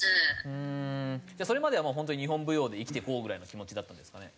うーんそれまではもう本当に日本舞踊で生きていこうぐらいの気持ちだったんですかね？